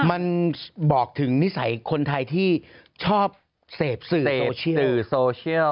มันมันบอกถึงเนธคนไทยที่ชอบเสธสื่อโซเชียล